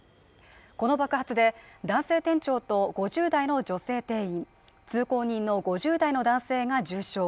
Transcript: この爆発で男性店長と５０代の女性店員、通行人の５０代の男性が重傷。